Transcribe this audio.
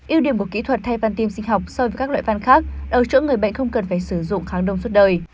yêu điểm của kỹ thuật thay van tim sinh học so với các loại văn khác ở chỗ người bệnh không cần phải sử dụng kháng đông suốt đời